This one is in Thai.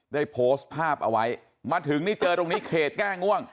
ได้โพสต์ภาพเอาไว้มาถึงนี่เจอตรงนี้เขตแก้ง่วง